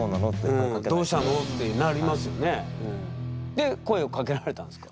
で声をかけられたんですか？